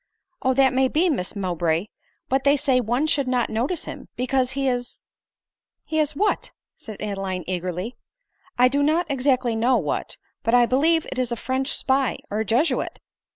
" Oh, that may be, Miss Mowbray ; but they say one should not notice him, because he is "" He is what ?" said Adeline eagerly. " I do not exactly know what ; but I believe it is a French spy or a Jesuit."